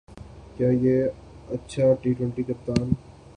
کہ آیا اچھا ٹی ٹؤنٹی کپتان